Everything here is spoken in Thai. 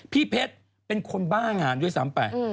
พี่เพชรเป็นคนบ้างานด้วยซ้ำไป